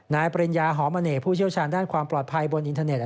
ปริญญาหอมเน่ผู้เชี่ยวชาญด้านความปลอดภัยบนอินเทอร์เน็ต